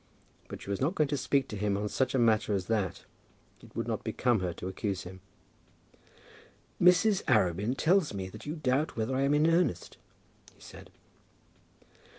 But she was not going to speak to him on such a matter as that! It would not become her to accuse him. "Mrs. Arabin tells me that you doubt whether I am in earnest," he said.